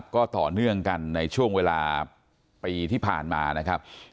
ก็ต่อเนื่องกันในช่วงเวลาปีที่ผ่านมานะครับ